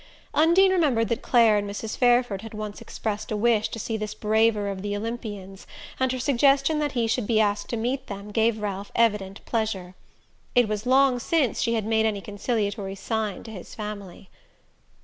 Undine remembered that Clare and Mrs. Fairford had once expressed a wish to see this braver of the Olympians, and her suggestion that he should be asked meet them gave Ralph evident pleasure. It was long since she had made any conciliatory sign to his family.